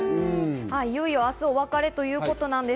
いよいよ明日お別れということです。